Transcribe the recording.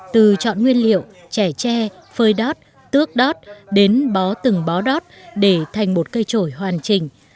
từ chọn nguyên liệu chẻ tre phơi đót tước đót đến bó từng bó đót để thành một cây trổi hoàn chỉnh